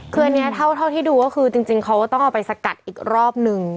คืออันนี้เท่าที่ดูก็คือจริงเขาก็ต้องเอาไปสกัดอีกรอบนึง